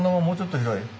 もうちょっと広い？